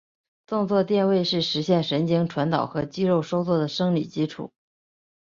动作电位是实现神经传导和肌肉收缩的生理基础。